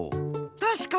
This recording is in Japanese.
たしかに。